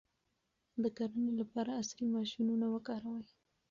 د کرنې لپاره عصري ماشینونه وکاروئ.